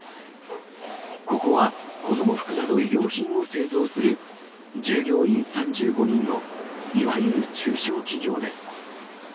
ここは、子ども服など衣料品を製造する、従業員３５人のいわゆる中小企業です。